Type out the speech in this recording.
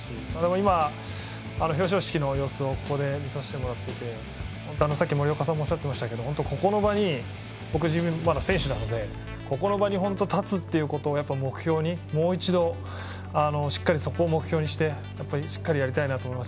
今、表彰式の様子をここで見させてもらっていてさっき森岡さんもおっしゃってましたが自分は、まだ選手なのでこの場に立つということを目標にもう一度、しっかりそこを目標にしっかりやりたいなと思います。